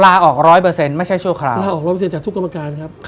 ลาออกร้อยเปอร์เซ็นต์ไม่ใช่ชั่วคราวลาออกร้อยเปอร์เซ็นจากทุกกรรมการครับ